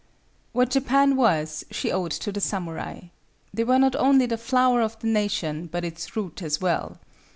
What Japan was she owed to the samurai. They were not only the flower of the nation but its root as well.